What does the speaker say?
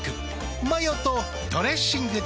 マヨとドレッシングで。